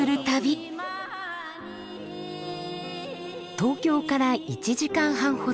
東京から１時間半ほど。